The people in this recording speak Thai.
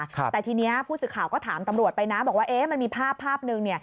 แต่ทีนี้ผู้สื่อข่าวก็ถามตำรวจไปนะบอกว่ามันมีภาพภาพหนึ่ง